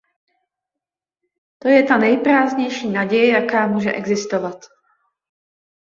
To je ta nejprázdnější naděje, jaká může existovat.